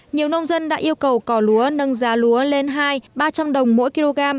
nhiều nông dân đã yêu cầu cỏ lúa nâng giá lúa lên hai ba trăm linh đồng mỗi kg